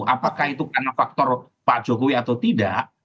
apakah itu karena faktor pak jokowi atau tidak